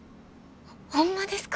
ホンマですか？